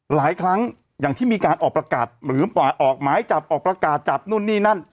หลายครั้งอย่างที่มีการออกประกาศหรือออกหมายจับออกประกาศจับนู่นนี่นั่น